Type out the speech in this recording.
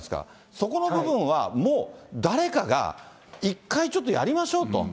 そこの部分は、もう誰かが一回ちょっと、やりましょうと。